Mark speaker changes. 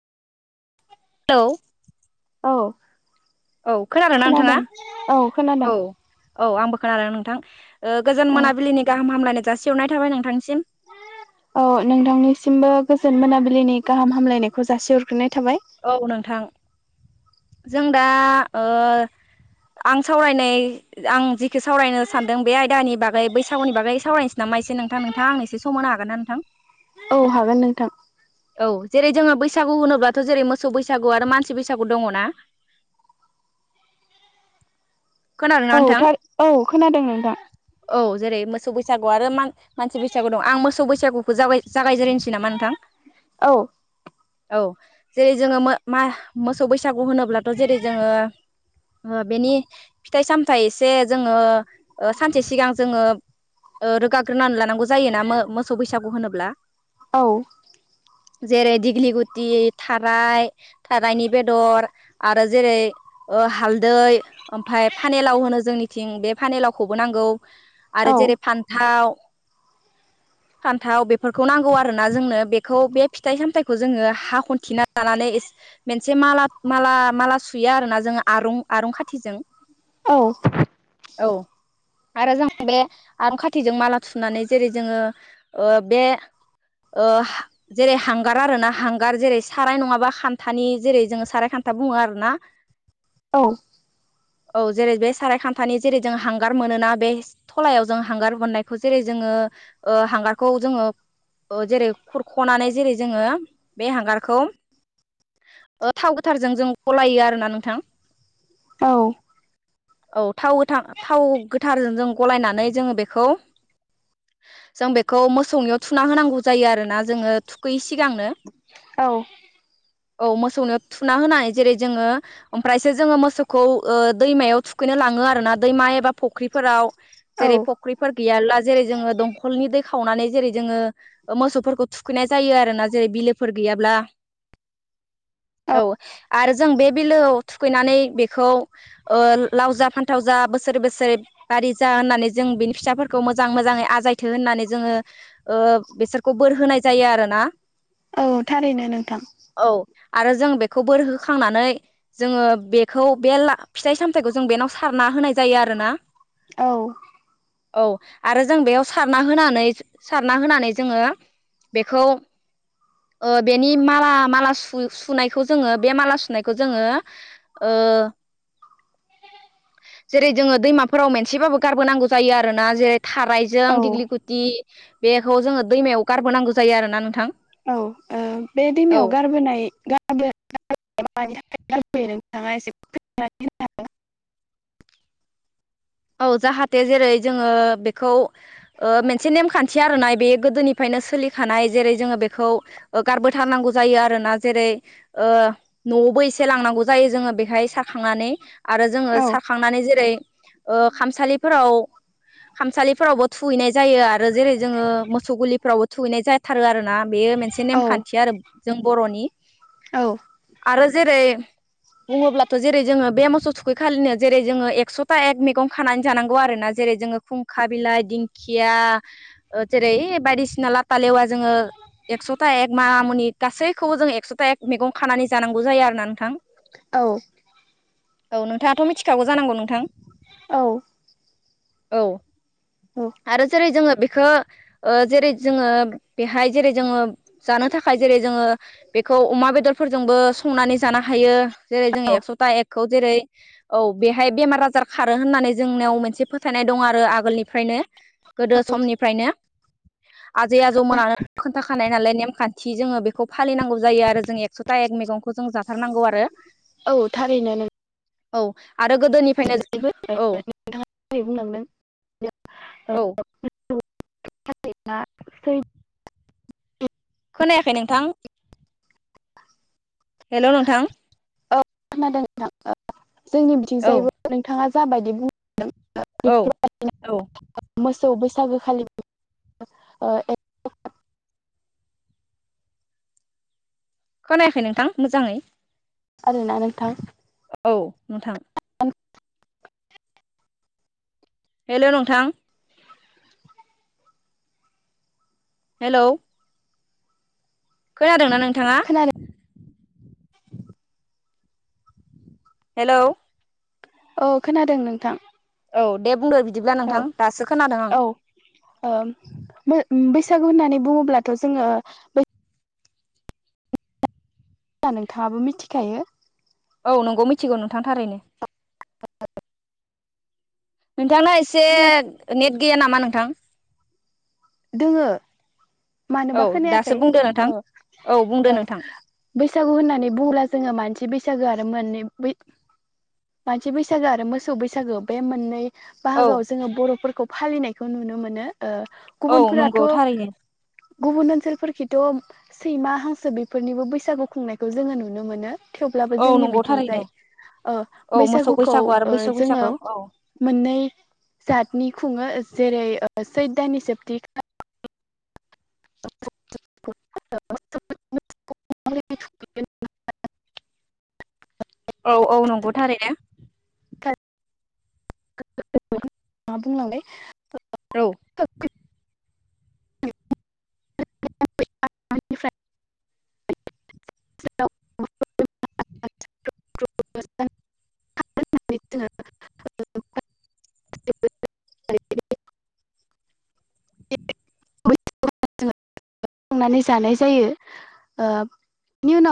Speaker 1: Hello.
Speaker 2: औ।
Speaker 1: औ खोनादों ना नोंथाङा?
Speaker 2: औ खोनादों
Speaker 1: औ। औ आंबो खोनादों नोंथां ओ गोजोन
Speaker 2: औ
Speaker 1: मोनाबिलिनि गाहाम हामलायनाय जा सिहरनाय थाबाय नोंथांसिम।
Speaker 2: औ नोंथांनिसिमबो गोजोन मोनाबिलिनि गाहाम हामलायनायखौ जासिहरग्रोनाय थाबाय
Speaker 1: औ नोंथां जों दा ओ आं सावरायनाय आं जिखि सावरायनो सानदों बे आयदानि बागै बैसागुनि बागै सावरायनोसै ना मा एसे नोंथां नोंथांङा आंनो एसे सम होनो हागोन ना नोंथां?
Speaker 2: औ हागोन नोंथां।
Speaker 1: औ जेरै जोङो बैसागु होनोब्लाथ' जेरै मोसौ बैसागु आरो मानसि बैसागु दङना? खोनादों ना
Speaker 2: औ
Speaker 1: नोंथां
Speaker 2: थार औ खोनादों नोंथां
Speaker 1: औ जेरै- मोसौ बैसागु आरो मा मानसि बैसागु दं आं मोसौ बैसागुखौ जा जागायजेरनोसै नामा नोंथां?
Speaker 2: औ
Speaker 1: औ जेरै जोङो मा मोसौ बैसागु होनोब्लाथ' जेरै जोङो ओ बेनि फिथाइ सामथाइ एसे जोङो ओ सानसे सिगां जोङो ओ रोगाग्रोनानै लानांगौ जायोना मो मोसौ बैसागु होनोब्ला।
Speaker 2: औ
Speaker 1: जेरे दिग्लि गुथि थाराय थारायनि बेदर आरो जेरै ओ हालदै ओमफाय फानेलाव होनो जोंनिथिं बे फानेलावखौबो नांगौ आरो
Speaker 2: औ
Speaker 1: जेरै फान्थाव [inaudible] फान्थाव बेफोरखौ नांगौ आरोना जोंनो बेखौ बे फिथाइ सामथाइखौ जोङो हाखन थिना लानानै एस मोनसे माला माला माला सुयो आरो ना जोङो आरुं आरुं खाथिजों।
Speaker 2: औ
Speaker 1: औ आरो जों बे आरुं खाथिजों माला थुनानै जेरै जोङो ओ बे ओ जेरै हांगार आरो ना हांगार जेरै साराय नङाबा खान्थानि जेरै जोङो साराय खान्था बुङो आरोना।
Speaker 2: औ
Speaker 1: औ जेरै बे साराय खामथानि जेरै जों हांगार मोनोना बे थलायाव जों हांगार बोननायखौ जेरै जोङो ओ ओ हांगारखौ जोङो ओ जेरै खुरख'नानै जेरै जोङो बे हांगार खौ ओ थाव गोथारजों जों गलायो आरोना नोंथां।
Speaker 2: औ
Speaker 1: औ थाव गोथां थाव गोथारजों जों गलायनानै जोङो बेखौ जों बेखौ मोसौनियाव थुना होनांगौ जायो आरोना जोङो थुखैयै सिगांनो।
Speaker 2: औ
Speaker 1: औ मोसौनो थुना होनानै जेरै जोङो ओमफ्रायसो जोङो मोसौखौ ओ दैमायाव थुखै नो लाङो आरोना दैमा एबा फख्रिफोराव जेरै फ्रख्रिफोर गैयाला जेरै जों दंखलनि दै खावनानै जेरै जोङो मोसौफोरखौ थुखैनाय जायो आरोना जेरै बिलोफोर गैयाब्ला औ आरो जों बे बिलोआव थुखैनानै बेखौ ओ लाव जा फान्थाव जा बो सोर बोसोर बारि जा होननानै जों बिनि फिथसाफोरखौ मोजां मोजाङै आजायथों होननानै जोङो ओ ओ बेसोरखौ बोर होनाय जायो आरोना।
Speaker 2: औ थारैनो नोंथां।
Speaker 1: औ आरो जों बेखौ बोर होखांनानै जोङो बेखौ बे ला फिथाइ सामथायाइखौ जों बेनाव सार ना होनाय जायो आरोना।
Speaker 2: औ
Speaker 1: औ आरो जों बेयाव सारना होनानै सारना होनानै जोङो बेखौ ओ बेनि माला माला सु सुनायखौ जोङो बे माला सुनायखौ जोङो ओ जेरै जोङो दैमाफोराव मेनसेबाबो गारबोनांगौ जायो आरोना जेरै
Speaker 2: औ
Speaker 1: थारायजों दिग्लि गुथि बेखौ जोङो दैमायाव गारबोनांगौ जायो आरोना नोंथां
Speaker 2: औ बे
Speaker 1: औ
Speaker 2: दैमायाव गारबोनाय [unintelligible] [unintelligible]
Speaker 1: औ जाहाथे जेरै जोङो बेखौ मोनसे नेमखान्थि आरो नाय बे गोदोनिफ्रायनो सोलिखानाय जेरै जोङो बेखौ गारबोथारनांगौ जायो आरोना जेरै ओ न'आवबो एसे लांनांगौ जायो जोङो बे, बेहाय सारखांनानै आरो जोङो
Speaker 2: औ
Speaker 1: सारखांनानै जेरै ओ खामसालिफोराव, खामसालिफोरावबो थुहैनाय जायो आरो जेरै जोङो मोसौ गुलिफोरावबो थुहैनाय जाथारो आरोना? बेयो मोनसे
Speaker 2: औ
Speaker 1: नेमखान्थि आरो जों बर'नि
Speaker 2: औ
Speaker 1: आरो जेरै बुङोब्लाथ' जेरै जोङो बे मासाव थुखै खालिनो जेरै जोङो एकस'था एक मिट, मैगं खानानै जानांगौ आरो ना जेरै जोङो खुंखा बिलाइ दिंखिया जेरै ऐ बायदिसि बिना लाफा लेवा जोङो, एकस'था एक मानामुनि गासैखौबो जों एकस'था एक मैगं खानानै जानांगौ जायो आरोना नोंथां,
Speaker 2: औ
Speaker 1: औ नोंथाङाथ' मिथिखागौ जानांगौ नोंथां
Speaker 2: औ
Speaker 1: औ आरो जेरै जोङो बे खो ओ जेरै जोङो बेहाय जेरै जोङो जानो थाखाय जेरै जोङो बेखौ खौ अमा बेदरफोरजोंबो संनानै जानो हायो। जेरै जों
Speaker 2: औ
Speaker 1: एकस'था एकखौ जेरै औ बेहाय बेमार आजार खारो होननानै जोंनियाव मोनसे फोथायनाय दं आरो आगोलनिफ्रायनो गोदो समनिफ्रायनो, आजै आजौमोनानो खोन्थाखानाय नालाय नेमखा थि जोङो बेखौ फालिनांगौ जायो आरो जों एकस'था एक मैगंखौ जों जाथारनांगौ आरो
Speaker 2: औ थारैनो नों
Speaker 1: औ आरो गोदोनिफ्रायनो जों औ
Speaker 2: नोंथाङा दहाय बुंलांदों,
Speaker 1: औ
Speaker 2: [unintelligible]
Speaker 1: खोनायाखै नोंथां हेलौ नोंथां,
Speaker 2: औ खोनादों नोंथाङ ओ जोंनि बिथिं
Speaker 1: औ
Speaker 2: जायबो नोंथाङा जाबायदि बुं
Speaker 1: औ औ
Speaker 2: [unintelligible] स' बैसागोखालि ओ
Speaker 1: खोनाखै नोंथां मोजाङै?
Speaker 2: आरोना नोंथां,
Speaker 1: औ नोंथां हेलौ नोंथां हेलौ खोनादोंना नोंथाङा?
Speaker 2: खोनादों [inaudible]
Speaker 1: हेलौ
Speaker 2: औ खोनादों नोंथां।
Speaker 1: औ दे बुंदो बिदि
Speaker 2: औ औ ओम मोन बेस बैसागु होननानै बुङोब्लाथ' जोङो जा नोंथाङाबो मिथिखायो,
Speaker 1: औ नंगौ मिथिगौ नोंथां थारैनो, नोंथांना एसे
Speaker 2: खालार
Speaker 1: नेट गैया नामा नोंथां?
Speaker 2: दोंङो मानोबा
Speaker 1: औ दासो
Speaker 2: खोनायाखै,
Speaker 1: बुंदो
Speaker 2: औ
Speaker 1: नोंथां बुंदो
Speaker 2: औ
Speaker 1: नोंथां
Speaker 2: बैसागु होननानै बुङोला जोंङो मानसि बै बैसागो आरो मोननै बै मानसि बैसागो आरो मोसौ बैसागो बे मोननै
Speaker 1: औ
Speaker 2: बाहागोआव जोंङो बर'फोरखौ फालिनायखौ नुनो मोनो ओ
Speaker 1: औ
Speaker 2: गुबुनफोराथ'
Speaker 1: नंगौ थारैनो
Speaker 2: गुबुन ओनसोलफोरखिथ' सैमा हांसो बेफोरनिबो बैसागु खुंनायखौ जोंङो नुनो मोनो, थेवब्लाबो
Speaker 1: औ
Speaker 2: जोंनि
Speaker 1: नंगौ
Speaker 2: बिथिंजाय,
Speaker 1: थारैनो
Speaker 2: ओ
Speaker 1: औ मोसौ
Speaker 2: बैसागुखौ
Speaker 1: बैसागु आरो
Speaker 2: ओ
Speaker 1: बैसो
Speaker 2: जोंङो
Speaker 1: बैसागु औ
Speaker 2: मोननै जातनि खुङो जेरै ओ सैद दान सोबथि खा [inaudible] [inaudible]
Speaker 1: औ औ नंगौ थारैनो।
Speaker 2: [inaudible] मा बुंलांलाय ‌।
Speaker 1: औ।
Speaker 2: [inaudible] [inaudible] [inaudible] संंनानै जानाय जायो ओ बेनि उनाव